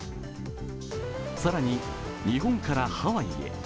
更に日本からハワイへ。